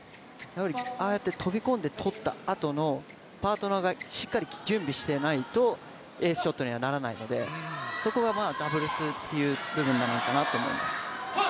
ああやって飛び込んでとったあとの、パートナーがしっかり準備していないと、エースショットにはならないので、そこはダブルスという部分なのかなと思います。